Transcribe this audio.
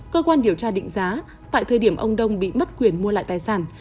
cơ quan điều tra định giá tại thời điểm ông đông bị mất quyền mua lại tài sản